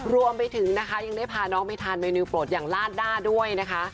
รวมไปถึงนะคะยังได้พาน้องไปทานเมนูโปรดอย่างลาดด้าด้วยนะคะ